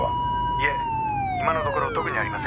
「いえ今のところ特にありません」